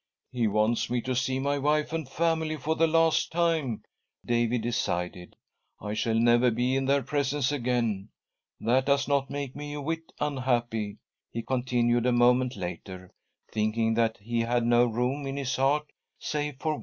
." He wants me to see my wife and family for the • last time," David decided. " I shall never be in ; their presence again. That does not make me a whit unhappy," he continued, a moment later, thinking that he had ho room in his heart save for